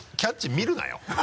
見るなよ。